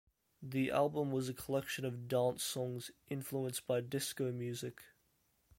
The album was a collection of dance songs, influenced by disco music.